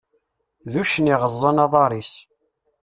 D uccen iɣeẓẓan aḍar-is.